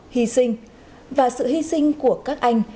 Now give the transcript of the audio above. hi sinh và sự hi sinh của các anh